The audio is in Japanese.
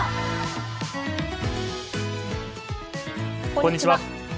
こんにちは。